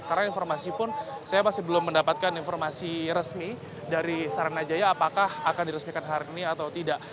karena informasi pun saya masih belum mendapatkan informasi resmi dari saranajaya apakah akan diresmikan hari ini atau tidak